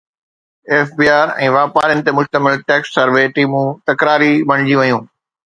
F B R ۽ واپارين تي مشتمل ٽيڪس سروي ٽيمون تڪراري بڻجي ويون